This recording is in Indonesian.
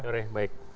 selamat sore baik